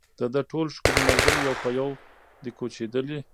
د ده ټول ښکلي ملګري یو په یو دي کوچېدلي